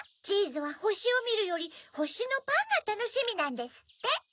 チーズはほしをみるよりほしのパンがたのしみなんですって。